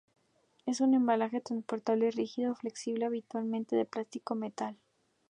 Es un embalaje transportable rígido o flexible habitualmente de plástico o metal.